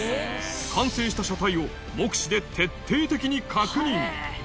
完成した車体を目視で徹底的に確認。